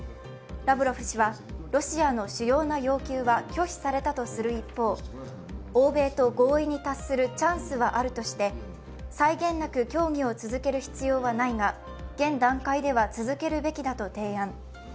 ラブロフ氏はロシアの主要な要求は拒否されたとする一方、欧米と合意に達するチャンスはあるとして際限なく協議を続ける必要はないが現段階では続けるべきだと提案。